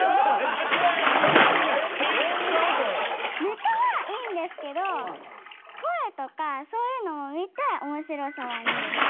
ネタはいいんですけど声とかそういうのも見て「おもしろさ」は２です。